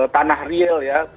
tanah real ya